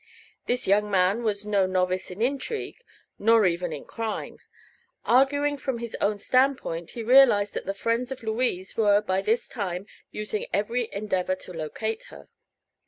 This young man was no novice in intrigue, nor even in crime. Arguing from his own stand point he realized that the friends of Louise were by this time using every endeavor to locate her.